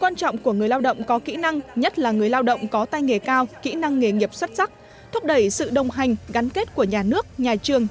năng nghề nghiệp xuất sắc thúc đẩy sự đồng hành gắn kết của nhà nước nhà trường